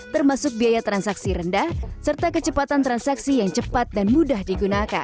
termasuk biaya transaksi rendah serta kecepatan transaksi yang cepat dan mudah digunakan